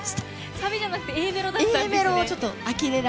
サビじゃなくてＡメロだったと。